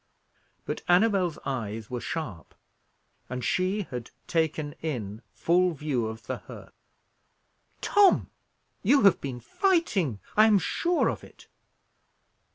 But Annabel's eyes were sharp, and she had taken in full view of the hurt. "Tom, you have been fighting! I am sure of it!"